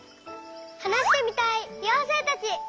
はなしてみたいようせいたち！